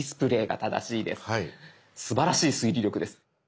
すばらしい推理力です。